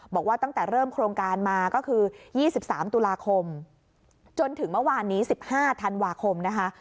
บอกว่าตั้งแต่เริ่มโครงการมาก็คือ๒๓ตุลาคมจนถึงเมื่อวานนี้๑๕ธันวาคมนะคะ